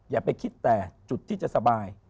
อย่าไปคิดแต่จุดที่จะสบาย